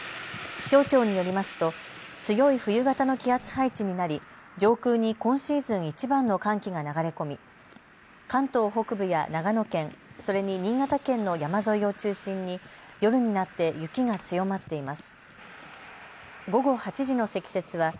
気象庁によりますと強い冬型の気圧配置になり上空に今シーズンいちばんの寒気が流れ込み関東北部や長野県、それに新潟県の山沿いを中心に夜になって雪が強まっています。